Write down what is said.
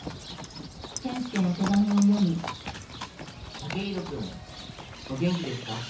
「剛洋君お元気ですか？